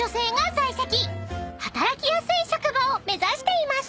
［働きやすい職場を目指しています］